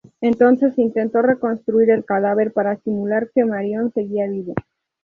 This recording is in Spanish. Entonces intentó reconstruir el cadáver para simular que Marion seguía viva.